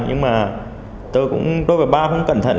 nhưng mà tôi cũng đối với ba không cẩn thận